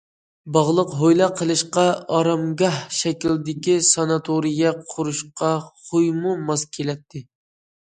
باغلىق ھويلا قىلىشقا، ئارامگاھ شەكلىدىكى ساناتورىيە قۇرۇشقا خويمۇ ماس كېلەتتى.